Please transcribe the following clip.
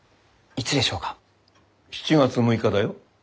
７月６日だよ。